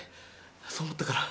そう思ったから。